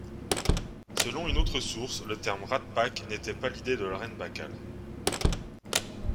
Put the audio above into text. Selon une autre source, le terme Rat Pack n'était pas l'idée de Lauren Bacall.